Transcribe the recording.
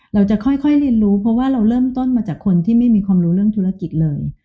เราจะค่อยเรียนรู้เพราะว่าเราเริ่มต้นมาจากคนที่ไม่มีความรู้เรื่องธุรกิจเลย